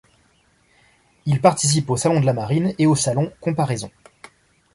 Il participe au Salon de la Marine et au Salon Comparaisons.